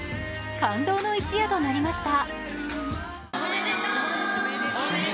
感動の一夜となりました。